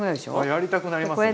やりたくなりますね。